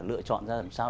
lựa chọn ra làm sao